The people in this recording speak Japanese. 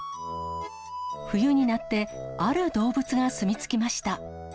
冬になってある動物が住み着きました。